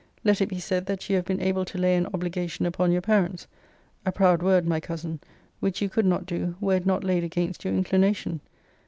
Let it be said that you have been able to lay an obligation upon your parents, (a proud word, my cousin!) which you could not do, were it not laid against your inclination!